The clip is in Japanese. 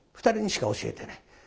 ２人にしか教えてない。